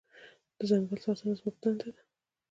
د ځنګل ساتنه زموږ دنده ده.